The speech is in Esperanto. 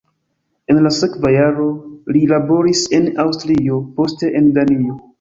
En la sekva jaro li laboris en Aŭstrio, poste en Danio.